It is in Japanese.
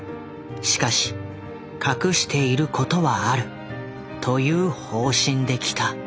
しかし隠していることはあるという方針できた」。